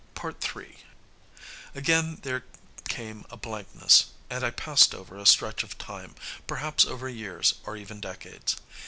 III Again there came a blankness, and I passed over a stretch of time, perhaps over years or even decades.